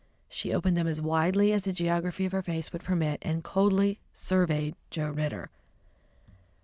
She opened them as widely as the geography of her face would permit, and coldly surveyed Joe Ridder.